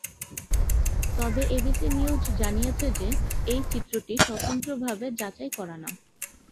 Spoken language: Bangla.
তবে এবিসি নিউজ জানিয়েছে যে, এই চিত্রটি স্বতন্ত্রভাবে যাচাই করা না।